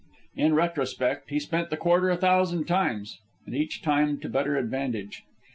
In retrospect he spent the quarter a thousand times, and each time to better advantage.